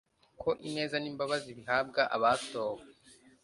ko ineza n'imbabazi bihabwa abatowe